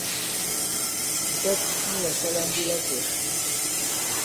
Ǹtɛk mu la sala ndi lacɛ ?